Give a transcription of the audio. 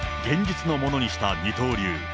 現実のものにした二刀流。